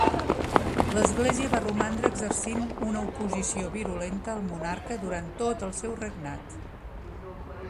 L'Església va romandre exercint una oposició virulenta al monarca durant tot el seu regnat.